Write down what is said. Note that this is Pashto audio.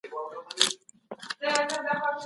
متعصب انسان تر ازاد فکره انسان ړوند وي.